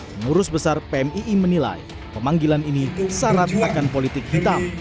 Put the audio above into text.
pengurus besar pmii menilai pemanggilan ini syarat akan politik hitam